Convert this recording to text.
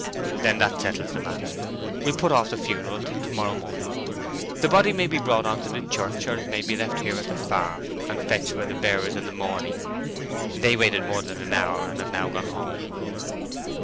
"Then that settles the matter. We'll put off the funeral till to morrow morning. The body may be brought on to the church, or it may be left here at the farm and fetched by the bearers in the morning. They waited more than an hour, and have now gone home."